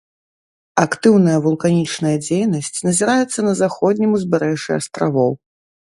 Актыўная вулканічная дзейнасць назіраецца на заходнім узбярэжжы астравоў.